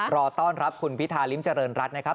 รอต้อนรับคุณพิธาริมเจริญรัฐนะครับ